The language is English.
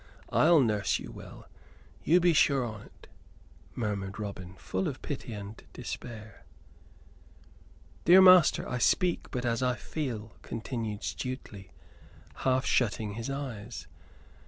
I'll nurse you well, be sure on't," murmured Robin, full of pity and despair. "Dear master, I speak but as I feel," continued Stuteley, half shutting his eyes.